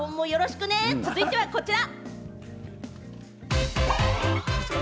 続いては、こちら。